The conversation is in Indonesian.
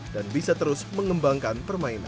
dan bisa terus mengembangkan permainan